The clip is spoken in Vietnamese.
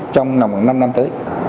trong năm năm tới